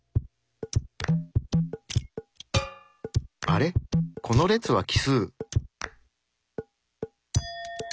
あれこの列は奇数。